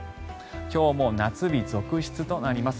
今日も夏日続出となります。